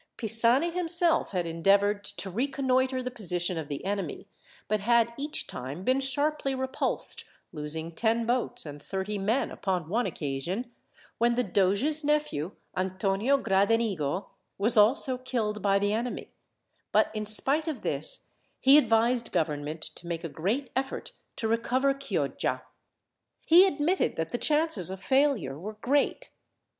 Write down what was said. Pisani himself had endeavoured to reconnoitre the position of the enemy, but had each time been sharply repulsed, losing ten boats and thirty men upon one occasion, when the doge's nephew, Antonio Gradenigo, was also killed by the enemy; but in spite of this, he advised government to make a great effort to recover Chioggia. He admitted that the chances of failure were great.